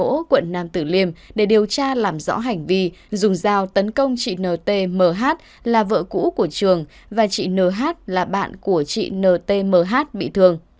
công an quận nam tử liêm để điều tra làm rõ hành vi dùng dao tấn công chị nt mh là vợ cũ của trường và chị nh là bạn của chị ntmh bị thương